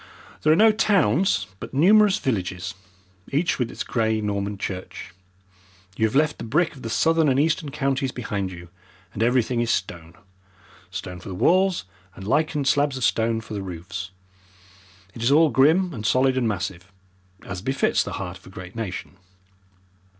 There are no towns, but numerous villages, each with its grey Norman church. You have left the brick of the southern and eastern counties behind you, and everything is stone stone for the walls, and lichened slabs of stone for the roofs. It is all grim and solid and massive, as befits the heart of a great nation.